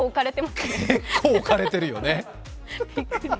結構置かれてるよね。